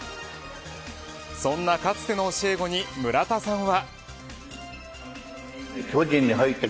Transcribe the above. そんな、かつての教え子に村田さんは。